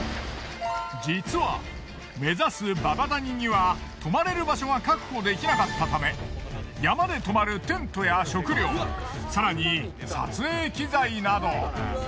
実は目指す祖母谷には泊まれる場所が確保できなかったため山で泊まるテントや食料更に撮影機材など。